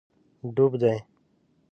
ډوب دی